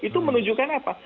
itu menunjukkan apa